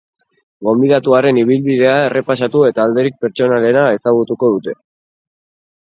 Gonbidatuaren ibilbidea errepasatu eta alderik pertsonalena ezagutuko dute.